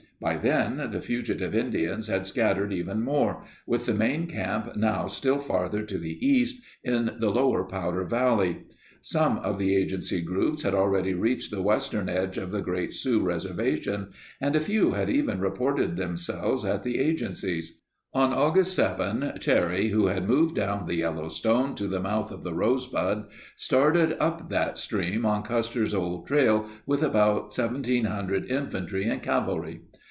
By then the fugitive Indians had scattered even more, with the main camp now still farther to the east, in the lower Powder Valley. Some of the agency groups had already reached the western edge of the Great Sioux Reservation, and a few had even reported themselves at the agencies. On August 7, Terry, who had moved down the Yellowstone to the mouth of the Rosebud, started up that stream on Custer's old trail with about 1,700 infantry and cavalry.